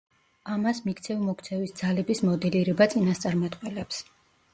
ამას მიქცევა-მოქცევის ძალების მოდელირება წინასწარმეტყველებს.